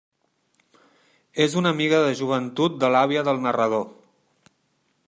És una amiga de joventut de l'àvia del narrador.